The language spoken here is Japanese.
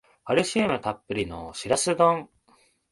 カルシウムたっぷりのシラス丼